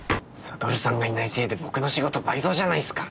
悟さんがいないせいで僕の仕事倍増じゃないすか。